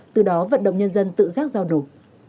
từ đó vận động nhân dân tự giác giao nổ